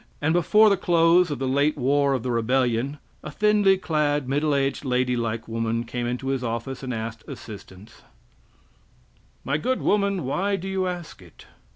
and before the close of the late war of the rebellion a thinly clad, middle aged, lady like woman came into his office and asked assistance, "My good woman, why do you ask it?"